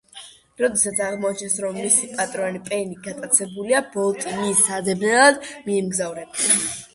როდესაც აღმოაჩენს, რომ მისი პატრონი პენი გატაცებულია, ბოლტი მის საძებნელად მიემგზავრება.